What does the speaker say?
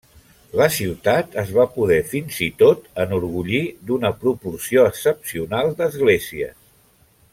La ciutat es va poder, fins i tot, enorgullir d'una proporció excepcional d'esglésies.